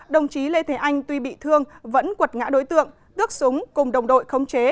đồng chí lê thế anh tuy bị thương vẫn quật ngã đối tượng tước súng cùng đồng đội khống chế